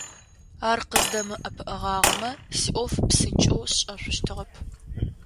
Ар къыздэмыӀэпыӀэгъагъэмэ, сиӀоф псынкӀэу сшӀэшъущтыгъэп.